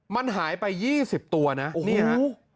มันหายไป๒๐ตัวนะนี่ฮะ